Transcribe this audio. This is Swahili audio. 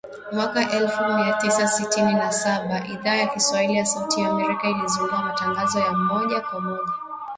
Mwaka elfu mia tisa sitini na saba, Idhaa ya Kiswahili ya Sauti ya Amerika ilizindua matangazo ya moja kwa moja kutoka studio zake Washington Wilaya ya Columbia